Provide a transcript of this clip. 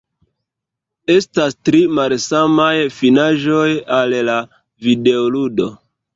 Estas tri malsamaj finaĵoj al la videoludo.